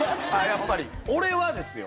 やっぱり俺はですよ